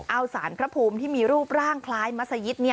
เอาสารพระภูมิที่มีรูปร่างคล้ายมัศยิต